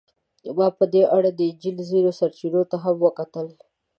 ما په دې اړه د انجیل ځینو سرچینو ته هم وکتل.